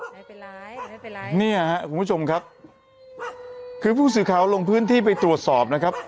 นี่คุณผู้ชมครับคือผู้สื่อข่าวลงพื้นที่ไปตรวจสอบนะครับ